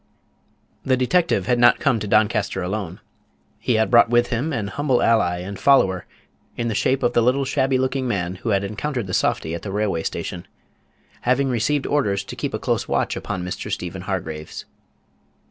The detective had not come to Doncaster alone. He had brought with him an humble ally and follower in the shape of the little shabby looking man who had encountered the softy at the railway station, having received orders to keep a close watch upon Mr. Stephen Hargraves.